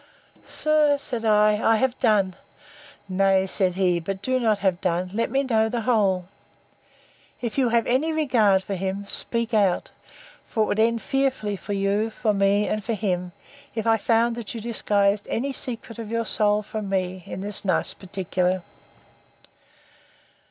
Sir, said I, I have done!—Nay, said he, but do not have done; let me know the whole. If you have any regard for him, speak out; for it would end fearfully for you, for me, and for him, if I found that you disguised any secret of your soul from me, in this nice particular.